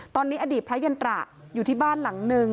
ตอนนี้อดีตพระยันตระอยู่ที่บ้านหลังนึง